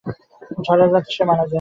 ঝড়ের রাতে সে মারা গেছে।